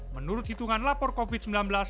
menurut hitungan lapor covid sembilan belas